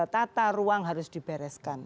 tata ruang harus dibereskan